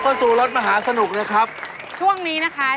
ช่วงนี้นะคะชื่อช่วงนี้นะครับ